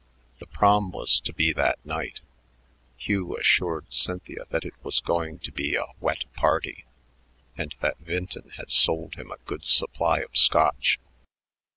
The Prom was to be that night. Hugh assured Cynthia that it was going to be a "wet party," and that Vinton had sold him a good supply of Scotch.